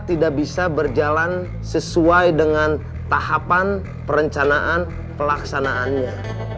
bagaimana kondisi berjalan sesuai dengan tahapan perencanaan pelaksanaannya